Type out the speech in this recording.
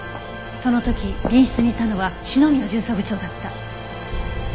その時隣室にいたのは篠宮巡査部長だった。